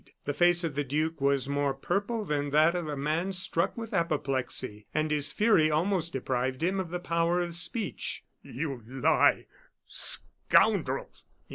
The face of the duke was more purple than that of a man struck with apoplexy; and his fury almost deprived him of the power of speech. "You lie, scoundrel!